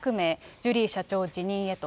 ジュリー社長辞任へと。